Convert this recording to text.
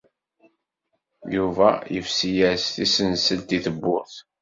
Yuba yefsi-as tisenselt i tewwurt.